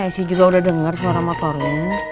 iya eisy juga udah denger suara motornya